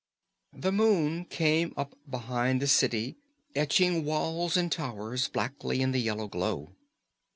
The moon came up behind the city, etching walls and towers blackly in the yellow glow.